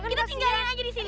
kita tinggalin aja disini